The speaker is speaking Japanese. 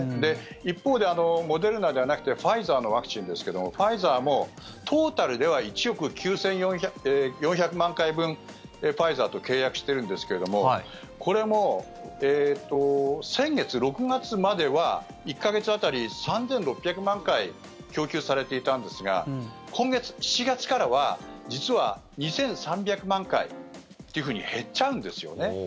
一方でモデルナではなくてファイザーのワクチンですけどもファイザーもトータルでは１億９４００万回分ファイザーと契約してるんですけどもこれも先月、６月までは１か月当たり３６００万回供給されていたんですが今月、７月からは実は２３００万回って減っちゃうんですよね。